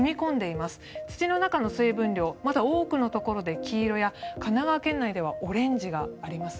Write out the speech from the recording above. まだ多くのところで黄色や神奈川県内ではオレンジがあります。